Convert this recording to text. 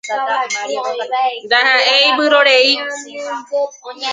Ndaha'éi vyrorei.